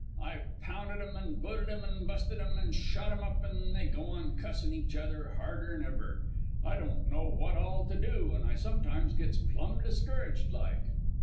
I've pounded 'em an' booted 'em, an' busted 'em an' shot 'em up, an' they go on cussin' each other out harder'n ever. I don't know w'at all to do an' I sometimes gets plumb discouraged like.'